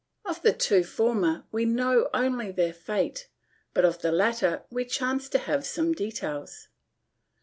Of the two former we know only their fate, but of the latter we chance to have some details.